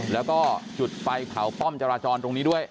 แล้วก็จุดไฟเผาป้อมจราจรตรงนี้ด้วย